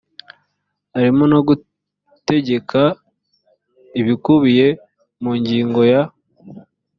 harimo no gutegeka ibikubiye mu ngingo ya